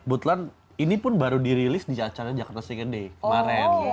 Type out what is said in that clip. betulan ini pun baru dirilis di acara jakarta sneaker day kemaren